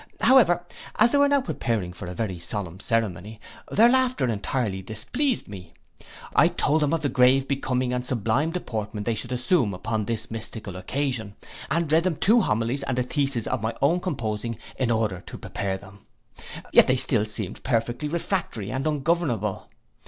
However, as they were now preparing for a very solemn ceremony, their laughter entirely displeased me. I told them of the grave, becoming and sublime deportment they should assume upon this Mystical occasion, and read them two homilies and a thesis of my own composing, in order to prepare them. Yet they still seemed perfectly refractory and ungovernable.